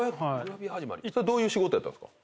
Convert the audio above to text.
どういう仕事やったんすか？